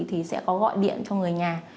thì sẽ có gọi điện cho người nhà